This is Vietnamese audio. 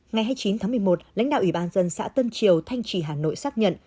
ngày hai mươi chín tháng một mươi một lãnh đạo ủy ban dân xã tân triều thanh trì hà nội xác nhận